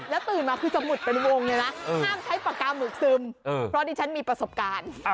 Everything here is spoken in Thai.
ตื่นมาคือจะหมุดเป็นวงเลยนะห้ามใช้ปากกาหมึกซึมเพราะดิฉันมีประสบการณ์